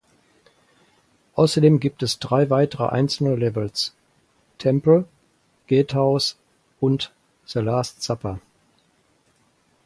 Außerdem gibt es drei weitere einzelne Levels "Temple", "Gatehouse" und "The Last Supper".